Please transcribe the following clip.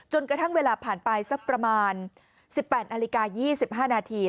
กระทั่งเวลาผ่านไปสักประมาณ๑๘นาฬิกา๒๕นาที